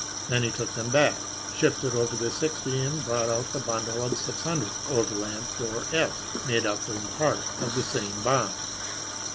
Then he took them back, shifted over the sixty and brought out the bundle of six hundred Overland 4s made up in part of the same bonds.